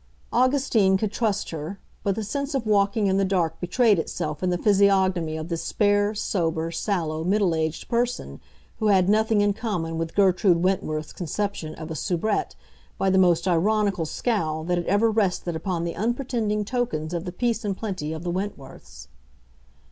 Augustine could trust her; but the sense of walking in the dark betrayed itself in the physiognomy of this spare, sober, sallow, middle aged person, who had nothing in common with Gertrude Wentworth's conception of a soubrette, by the most ironical scowl that had ever rested upon the unpretending tokens of the peace and plenty of the Wentworths.